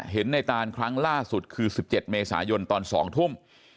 เห็นในตานครั้งล่าสุดคือ๑๗เมษายนตอน๒ทุ่ม